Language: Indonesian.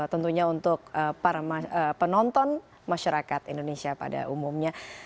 tentunya untuk para penonton masyarakat indonesia pada umumnya